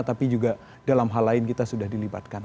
tapi juga dalam hal lain kita sudah dilibatkan